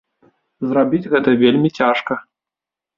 Зрабіць гэта вельмі цяжка.